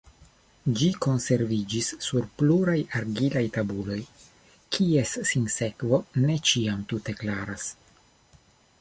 Ĝi konserviĝis sur pluraj argilaj tabuloj, kies sinsekvo ne ĉiam tute klaras.